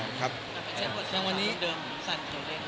ไม่ใช่บทเดิมเดิม